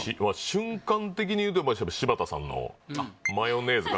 瞬間的に言うとやっぱ柴田さんのマヨネーズ×